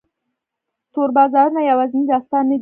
تور بازارونه یوازینی داستان نه دی.